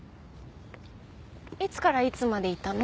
いつからいつまでいたの？